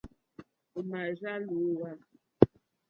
Ò mà àrzá lǒhwà.